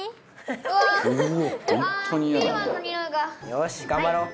よし頑張ろう！